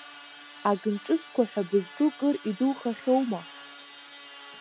Агынҿысқәа ҳәа бызҿу кыр идухахьоума?